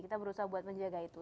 kita berusaha buat menjaga itu